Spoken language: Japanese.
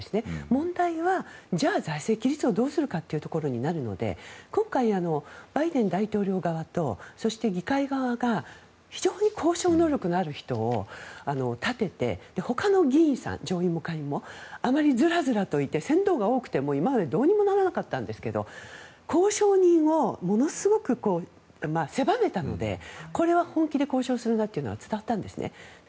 問題はじゃあ財政規律をどうするかっていうところになるので今回、バイデン大統領側とそして、議会側が非常に交渉能力のある人を立ててほかの議員さん上院も、下院もあまりずらずらといて船頭が多くても今までどうにもならなかったんですが交渉人をものすごく狭めたのでこれは本気で交渉するなというのは伝わってきたんですね。